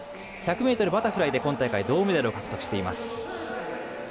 １００ｍバタフライで今大会銅メダルを獲得しています。